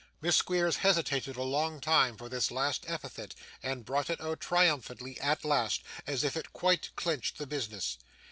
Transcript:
(Miss Squeers hesitated a long time for this last epithet, and brought it out triumphantly at last, as if it quite clinched the business.)